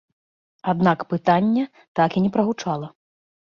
Аднак пытання так і не прагучала.